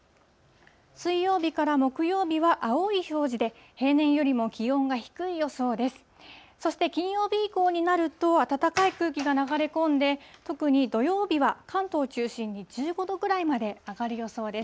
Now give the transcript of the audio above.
水曜日から木曜日は青い表示で、平年よりも気温が低い予想です。